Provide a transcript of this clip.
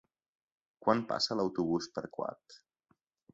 Quan passa l'autobús per Quart?